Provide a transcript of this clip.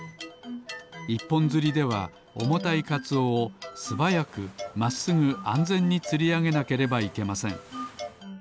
１ぽんづりではおもたいかつおをすばやくまっすぐあんぜんにつりあげなければいけません。